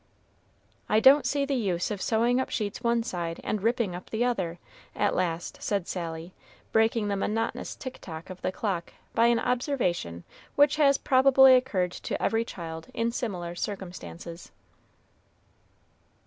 "I don't see the use of sewing up sheets one side, and ripping up the other," at last said Sally, breaking the monotonous tick tock of the clock by an observation which has probably occurred to every child in similar circumstances.